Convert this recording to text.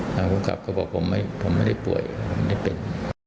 ภูมิกรับก็บอกผมไม่ได้ป่วยผมไม่เป็น